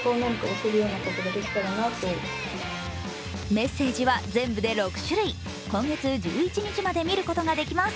メッセージは全部で６種類、今月１１日まで見ることができます。